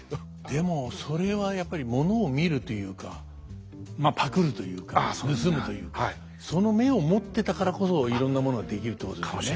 でもそれはやっぱりものを見るというかまあパクるというか盗むというかその目を持ってたからこそいろんなものができるってことですね。